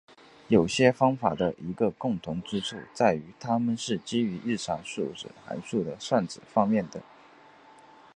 有些方法的一个共同之处在于它们是基于日常数值函数的算子方面的。